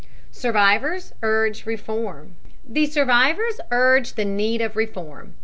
SURVIVORS URGE REFORM The survivors urge the need of reform.